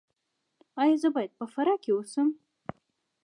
ایا زه باید په فراه کې اوسم؟